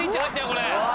これ。